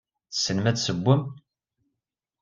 Tessnem ad tessewwem?